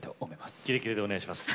キレキレでお願いします。